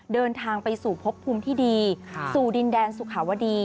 เดินทางไปสู่พบภูมิที่ดีสู่ดินแดนสุขาวดี